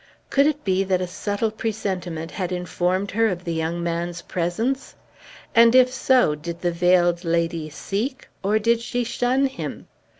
Could it be that a subtile presentiment had informed her of the young man's presence? And if so, did the Veiled Lady seek or did she shun him?